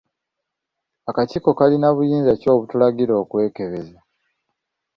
Akakiiko kalina buyinza ki obutulagira okwekebeza?